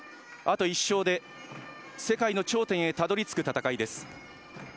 あと１勝で世界の頂点へたどり着く戦いです。